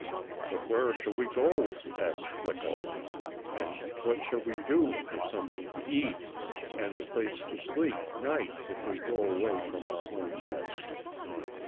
"But where shall we go?" asked Slicko. "And what shall we do for something to eat, and a place to sleep nights, if we go away from our home nest?"